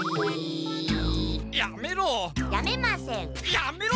やめろ！